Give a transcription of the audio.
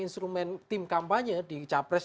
instrumen tim kampanye di capres